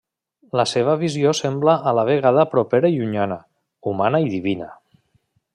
La seva visió sembla a la vegada propera i llunyana, humana i divina.